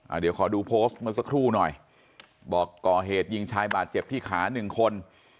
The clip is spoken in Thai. เดี๋ยวขอดูโพสต์เมื่อสักครู่หน่อยบอกก่อเหตุยิงชายบาดเจ็บที่ขาหนึ่งคน